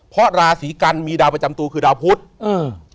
เพราะราศีกันมีดาวประจำตัวคือดาวพุทธอืม